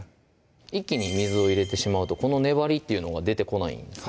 一気に水を入れてしまうとこの粘りっていうのが出てこないんです